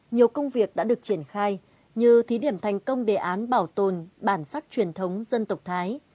nhiều công việc đã được triển khai như thí điểm thành công đề án bảo tồn bản sắc truyền thống dân tộc thái